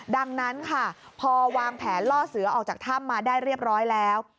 ดังนั้นค่ะพอวางแผนล่อเสือออกจากถ้ำมาได้เรียบร้อยแล้ว